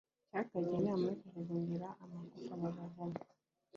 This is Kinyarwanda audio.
Cyakagiriye inama yo kugugunira amagufa mu buvumo